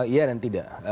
iya dan tidak